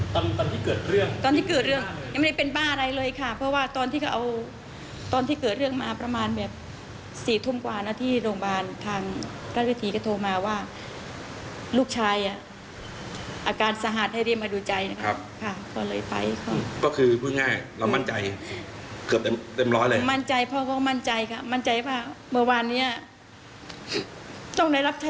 ตอนที่เกิดเรื่องตอนที่เกิดเรื่องยังไม่ได้เป็นบ้าอะไรเลยค่ะเพราะว่าตอนที่เค้าเอาตอนที่เกิดเรื่องมาประมาณแบบ๔ทุ่มกว่านะที่โรงพยาบาลทางรัฐวิทีก็โทรมาว่าลูกชายอ่ะอาการสหาดให้เรียนมาดูใจนะครับค่ะเค้าเลยไปเค้า